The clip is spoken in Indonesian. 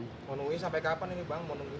mau nunggu ini sampai kapan ini bang